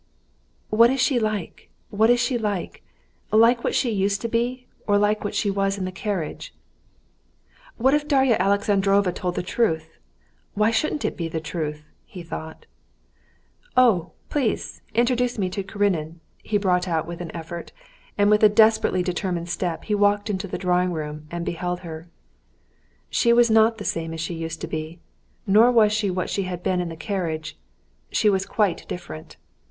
"What is she like, what is she like? Like what she used to be, or like what she was in the carriage? What if Darya Alexandrovna told the truth? Why shouldn't it be the truth?" he thought. "Oh, please, introduce me to Karenin," he brought out with an effort, and with a desperately determined step he walked into the drawing room and beheld her. She was not the same as she used to be, nor was she as she had been in the carriage; she was quite different.